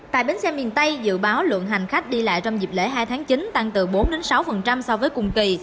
tại bến xe miền tây dự báo lượng hành khách đi lại trong dịp lễ hai tháng chín tăng từ bốn sáu so với cùng kỳ